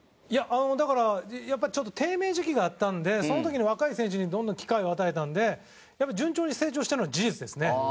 いやあのだからやっぱりちょっと低迷時期があったのでその時に若い選手にどんどん機会を与えたのでやっぱり順調に成長したのは事実ですね。